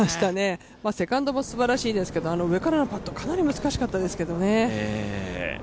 セカンドもすばらしいですけど、あの上からのパットかなり難しかったですけどね。